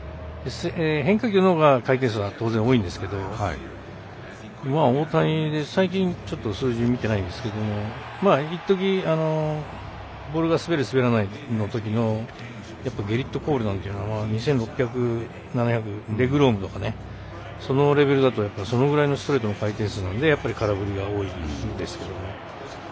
変化球のほうが回転数は当然多いんですけれども今は大谷で最近、数字見ていないですけど一時、ボールが滑る滑らないのときはゲリット・コールは２７００とかデグロームとかもそのレベルだとそのぐらいのストレートの回転数でやっぱり空振りが多いんですけど。